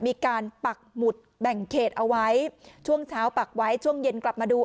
ปักหมุดแบ่งเขตเอาไว้ช่วงเช้าปักไว้ช่วงเย็นกลับมาดู